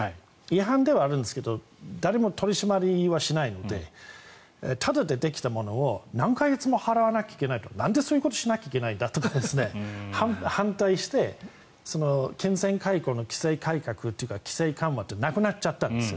違反ではあるんですけども誰も取り締まりしないのでタダでできたものを何か月も払わなきゃいけないとかなんでそういうことをしなきゃいけないんだとか反対して、金銭解雇の規制改革とか規制緩和はなくなっちゃったんです。